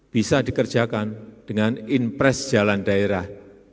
bisa dikerjakan dengan impres jalan daerah